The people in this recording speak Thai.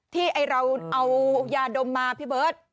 ที่เราเอายาดมมาพี่เบิร์ต